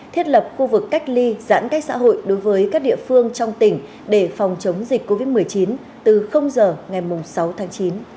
thiết lập khu vực cách ly giãn cách xã hội đối với các địa phương trong tỉnh để phòng chống dịch covid một mươi chín từ giờ ngày sáu tháng chín